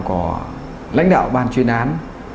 có lãnh đạo ban chuyên án